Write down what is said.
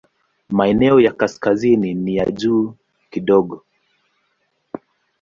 Maeneo ya kaskazini ni ya juu kidogo.